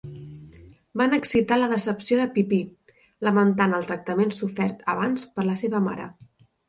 Van excitar la decepció de Pipí lamentant el tractament sofert abans per la seva mare.